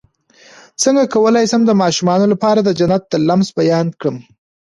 څنګه کولی شم د ماشومانو لپاره د جنت د لمس بیان کړم